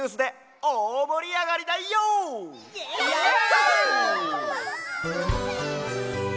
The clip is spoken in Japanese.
やった！